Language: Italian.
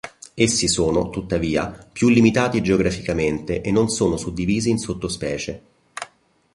Essi sono, tuttavia, più limitati geograficamente e non sono suddivisi in sottospecie.